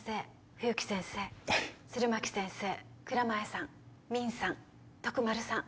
冬木先生はい弦巻先生蔵前さんミンさん徳丸さん